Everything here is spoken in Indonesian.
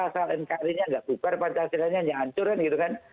asal mkri nya nggak bubar pancasila nya hanya hancur kan gitu kan